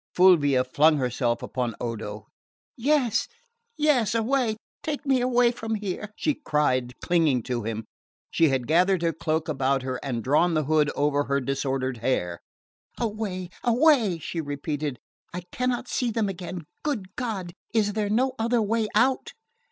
Fulvia flung herself upon Odo. "Yes yes; away take me away from here!" she cried, clinging to him. She had gathered her cloak about her and drawn the hood over her disordered hair. "Away! Away!" she repeated. "I cannot see them again. Good God, is there no other way out?"